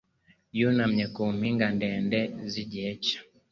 Yunamye ku mpinga ndende z'igihe cye